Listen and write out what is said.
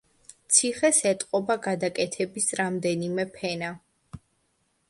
ციხეს ეტყობა გადაკეთების რამდენიმე ფენა.